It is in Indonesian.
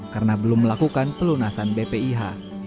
karena belum melakukan pelunasan bpih